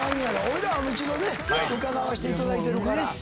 俺らは一度ね伺わせていただいてるから。